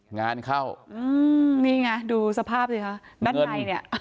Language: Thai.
งานเข้าอืมนี่ไงดูสภาพสิคะด้านในเนี่ย